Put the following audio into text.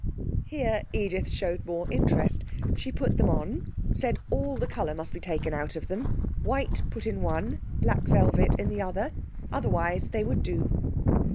Here Edith showed more interest. She put them on, said all the colour must be taken out of them, white put in one, black velvet in the other. Otherwise they would do.